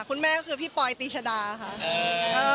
คุณแม่ก็คือพี่ปอยตีชดาค่ะ